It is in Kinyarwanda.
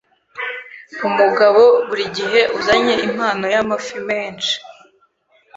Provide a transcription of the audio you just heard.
umugabo buri gihe uzanye impano y'amafi menshi